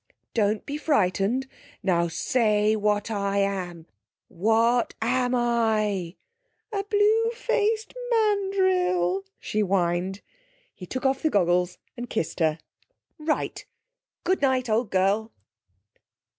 'Don't be frightened! Now! Say what I am. What am I?' 'A blue faced mandrill,' she whined. He took off the goggles and kissed her. 'Right! Good night, old girl!'